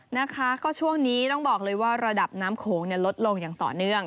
นะคะก็ช่วงนี้ต้องบอกเลยว่าระดับน้ำโขงลดลงอย่างต่อเนื่อง